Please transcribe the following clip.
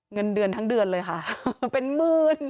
เงินเดือนทั้งเดือนเลยค่ะเป็นหมื่น